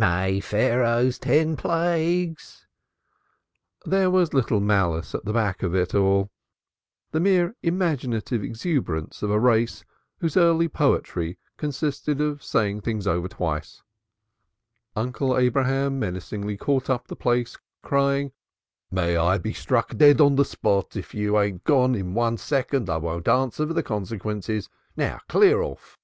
May Pharaoh's ten plagues " There was little malice at the back of it all the mere imaginative exuberance of a race whose early poetry consisted in saying things twice over. Uncle Abraham menacingly caught up the plaice, crying: "May I be struck dead on the spot, if you ain't gone in one second I won't answer for the consequences. Now, then, clear off!"